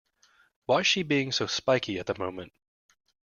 Why's she being so spiky at the moment?